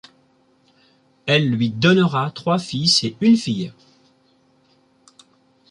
Elle lui donnera trois fils et une fille.